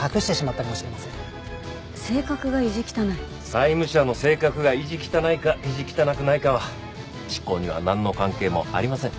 債務者の性格が意地汚いか意地汚くないかは執行にはなんの関係もありません。